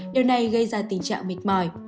điều này gây ra tình trạng mệt mỏi